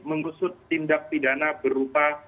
untuk tindak pidana berupa